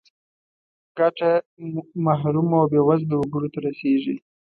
ګټه محرومو او بې وزله وګړو ته رسیږي.